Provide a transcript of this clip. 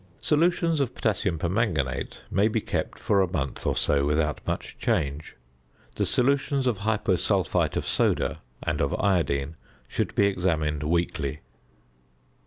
Solutions of potassium permanganate may be kept for a month or so without much change. The solutions of hyposulphite of soda and of iodine should be examined weekly.